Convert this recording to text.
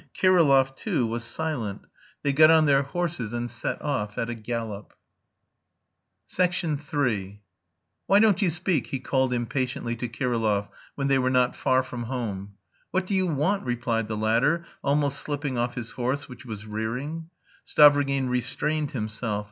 Kirillov, too, was silent. They got on their horses and set off at a gallop. III "Why don't you speak?" he called impatiently to Kirillov, when they were not far from home. "What do you want?" replied the latter, almost slipping off his horse, which was rearing. Stavrogin restrained himself.